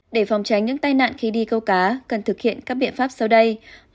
để phòng tránh những tai nạn khi đi câu cá cần thực hiện các biện pháp sau đây